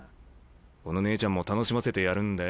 この姉ちゃんも楽しませてやるんだよ。